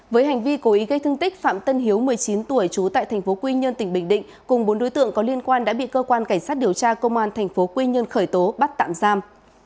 với hành vi cố ý gây thương tích phạm tân hiếu một mươi chín tuổi trú tại tp quy nhơn tỉnh bình định cùng bốn đối tượng có liên quan đã bị cơ quan cảnh sát điều tra công an tp quy nhơn khởi tố bắt tạm giam